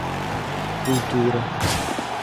култура